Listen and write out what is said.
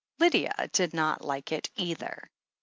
Lydia did not like it either.